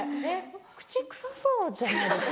口臭そうじゃないですか？